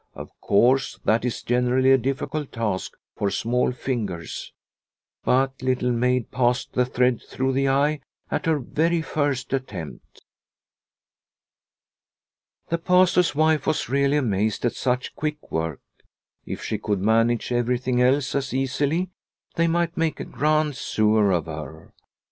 Of course, that is generally a difficult task for small fingers, but Little Maid passed the thread through the eye at her very first attempt. The Pastor's wife was really amazed at such quick work. If she could manage everything else as easily, they might make a grand sewer of her